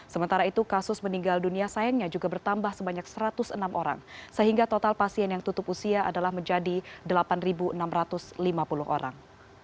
sementara itu kasus meninggal dunia sayangnya juga bertambah sebanyak satu ratus enam orang sehingga total pasien yang tutup usia adalah menjadi delapan enam ratus lima puluh orang